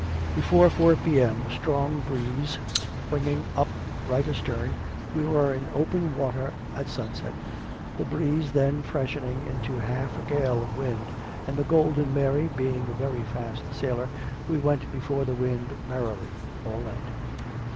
Before four p.m. a strong breeze springing up right astern, we were in open water at sunset. The breeze then freshening into half a gale of wind, and the Golden Mary being a very fast sailer, we went before the wind merrily, all night.